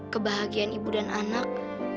kebahagiaan ibu dan anak